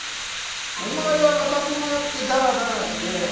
おまえはまたそうやってダラダラして。